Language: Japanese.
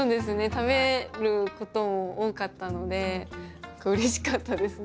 食べること多かったのでうれしかったですね。